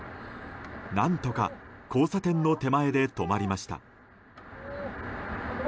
何とか交差点の手前で止まりました。